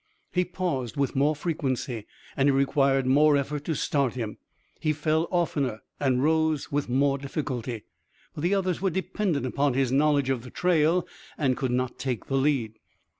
He paused with more frequency, and it required more effort to start him; he fell oftener and rose with more difficulty, but the others were dependent upon his knowledge of the trail, and could not take the lead.